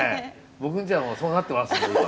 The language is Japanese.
僕んちはもうそうなってますんで今。